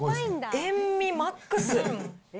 塩味マックス。